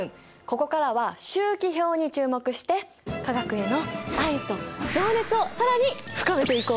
ここからは周期表に注目して化学への愛と情熱を更に深めていこう！